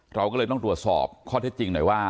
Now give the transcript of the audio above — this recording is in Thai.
เราก็เลยต้องตรวจสอบข้อเท็จจริงหน่อยว่า